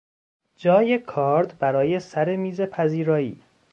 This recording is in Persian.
جای کارد برای سر میز پذیرایی